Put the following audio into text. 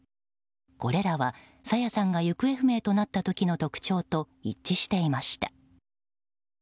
これらは朝芽さんが行方不明となった時の特徴と一致していました。